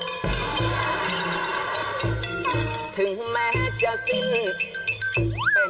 นี่ไงนักรบจะมาฝึกรบ